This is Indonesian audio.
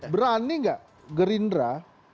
berani nggak gerindra